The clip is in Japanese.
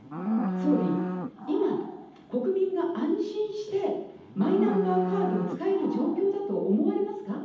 総理、今、国民が安心してマイナンバーカードを使える状況だと思われますか。